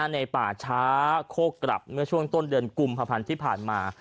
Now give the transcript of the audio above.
ในป่าช้าโคกกลับเมื่อช่วงต้นเดือนกุมภาพันธ์ที่ผ่านมา